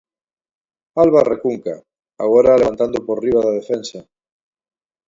Alba recunca, agora levantando por riba da defensa.